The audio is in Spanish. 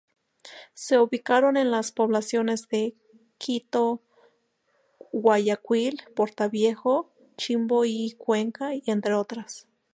Se ubicaron en las poblaciones de Quito, Guayaquil, Portoviejo, Chimbo y Cuenca, entre otras.